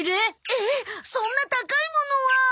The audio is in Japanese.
えっそんな高いものは。